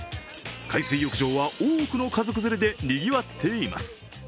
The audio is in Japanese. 海水浴場は多くの家族連れでにぎわっています。